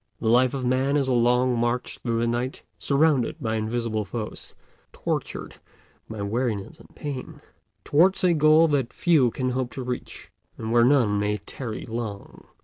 The life of Man is a long march through the night, surrounded by invisible foes, tortured by weariness and pain, towards a goal that few can hope to reach, and where none may tarry long.